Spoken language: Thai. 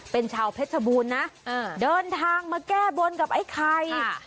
เป็นชาวเพชรบูรณ์นะเดินทางมาแก้บนกับไอ้ไข่